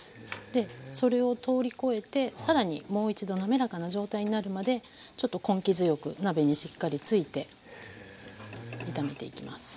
でそれを通り越えて更にもう一度滑らかな状態になるまでちょっと根気強く鍋にしっかりついて炒めていきます。